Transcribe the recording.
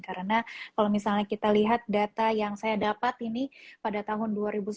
karena kalau misalnya kita lihat data yang saya dapat ini pada tahun dua ribu sembilan belas